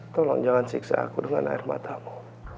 tolong jangan siksa aku dengan air matamu